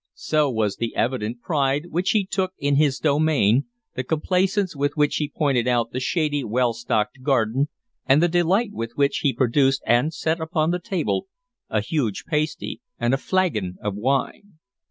So was the evident pride which he took in his domain, the complacence with which he pointed out the shady, well stocked garden, and the delight with which he produced and set upon the table a huge pasty and a flagon of wine.